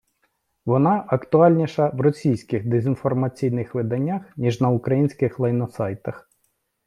Вона актуальніша в російських дезінформаційних виданнях, ніж на українських лайносайтах.